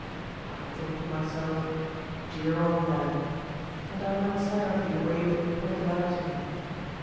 I thought to myself, 'Jeer on, then;' and I went silently the way that he had pointed out to me.